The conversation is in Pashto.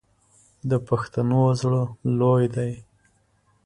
د پښتنو زړه لوی دی.